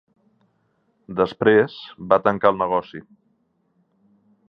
Després va tancar el negoci.